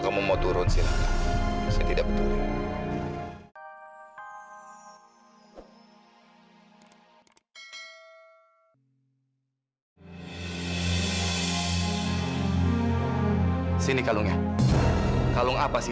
kamu mau turun silahkan saya tidak betul sini kalaunya kalau apa sih